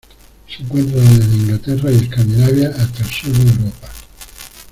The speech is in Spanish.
Se encuentra desde Inglaterra y Escandinavia hasta el sur de Europa.